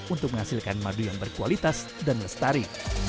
untuk menghasilkan madu yang berkualitas dan lestari